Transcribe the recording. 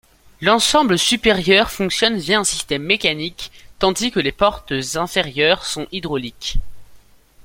L'ensemble supérieur fonctionne via un système mécanique, tandis que les portes inférieures sont hydraulique.